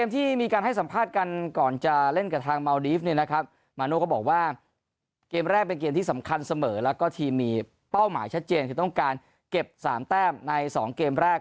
ที่สำคัญเสมอแล้วก็ทีมมีเป้าหมายชัดเจนคือต้องการเก็บสามแต้มในสองเกมแรก